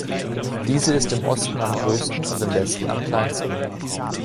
Diese ist im Osten am größten und im Westen am kleinsten.